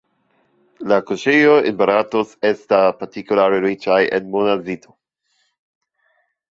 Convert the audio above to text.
La kuŝejoj en Barato estas partikulare riĉaj en monazito.